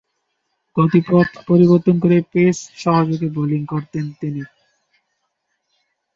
গতি পথ পরিবর্তন করে পেস সহযোগে বোলিং করতেন তিনি।